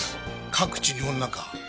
各地に女か。